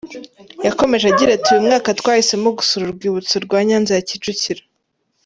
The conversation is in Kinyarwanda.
Yakomeje agira ati “Uyu mwaka twahisemo gusura urwibutso rwa Nyanza ya Kicukiro.